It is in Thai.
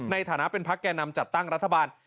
ในฐานะเป็นพักแก่นำจัดตั้งรัฐบาล